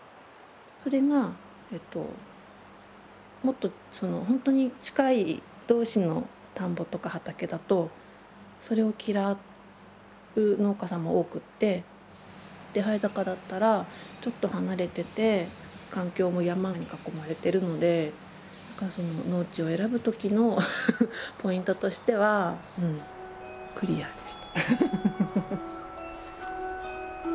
それがもっとほんとに近い同士の田んぼとか畑だとそれを嫌う農家さんも多くって手這坂だったらちょっと離れてて環境も山に囲まれてるので農地を選ぶときのポイントとしてはクリアでした。